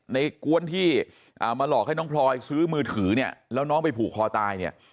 กวนที่มาหลอกให้น้องพลอยซื้อมือถือเนี่ยแล้วน้องไปผูกคอตายเนี่ย